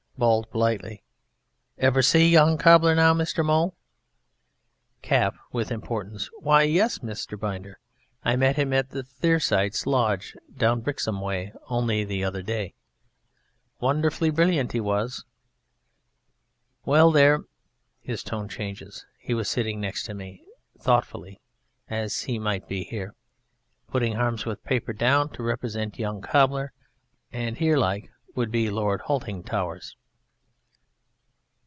BALD (politely): Ever see young Cobbler now, Mr. Mowle? CAP (with importance): Why yes, Mr. Binder; I met him at the Thersites' Lodge down Brixham way only the other day. Wonderful brilliant he was ... well, there ... (his tone changes) he was sitting next to me (thoughtfully) as, might be here (putting Harmsworth's paper down to represent Young Cobbler) and here like, would be Lord Haltingtowres.